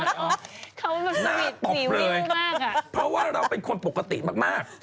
เขามันสวิตช์มีวิ่งมากอ่ะเพราะว่าเราเป็นคนปกติมาก